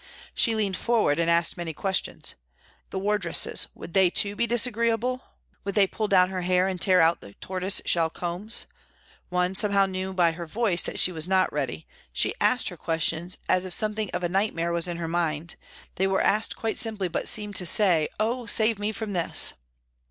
She leaned forward and asked many questions : the wardresses, would they, too, be disagreeable, would they pull down her hair and tear out the tortoise shell combs ? One somehow knew by her voice that she was not ready, she asked her questions as if something of a night mare was in her mind ; they were asked quite simply, but seemed to say, " Oh ! save me from this